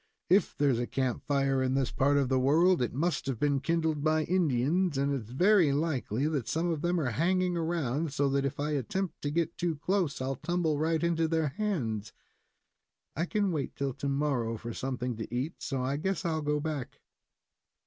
"If there's a camp fire in this part of the world, it must have been kindled by Indians, and it's very likely that some of them are hanging around, so that if I attempt to get too close, I'll tumble right into their hands. I can wait till to morrow for something to eat, so I guess I'll go back."